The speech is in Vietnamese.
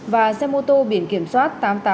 và xe mô tô biển kiểm soát